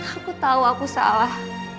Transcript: aku tahu aku salah